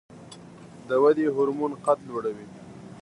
د ودې هورمون قد لوړوي